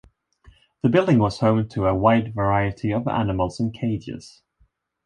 The building was home to a wide variety of animals in cages.